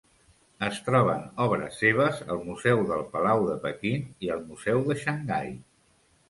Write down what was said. Es troben obres seves al Museu del Palau de Pequín i al Museu de Xangai.